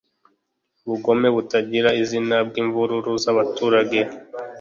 Ubugome butagira izina bwimvururu zabaturage